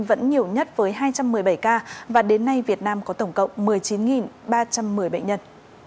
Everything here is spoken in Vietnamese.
vẫn nhiều nhất với hai trăm một mươi bảy ca và đến nay việt nam có tổng cộng một mươi chín ba trăm một mươi bệnh nhân